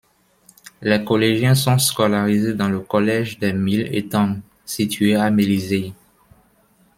Les collégiens sont scolarisés dans le collège des Mille Etangs situé à Mélisey.